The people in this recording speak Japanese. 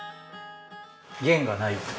弦がない。